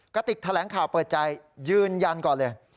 ติกแถลงข่าวเปิดใจยืนยันก่อนเลย